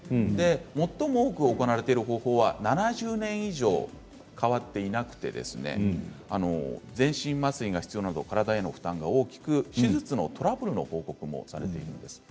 最も多く行われている方法は７０年に以上変わっていなくて全身麻酔が必要など体への負担が大きく手術のトラブルの報告もされているんです。